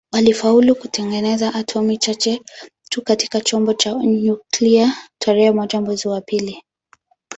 Walifaulu kutengeneza atomi chache tu katika chombo cha nyuklia tarehe moja mwezi wa pili